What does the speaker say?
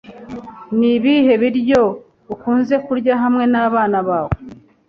Ni ibihe biryo ukunze kurya hamwe nabana bawe?